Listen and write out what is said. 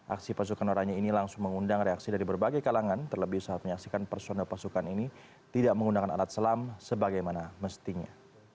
aksi pasukan orangnya ini langsung mengundang reaksi dari berbagai kalangan terlebih saat menyaksikan personel pasukan ini tidak menggunakan alat selam sebagaimana mestinya